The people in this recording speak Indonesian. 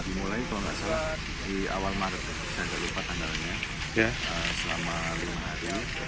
dimulai kalau nggak salah di awal maret saya tidak lupa tanggalnya selama lima hari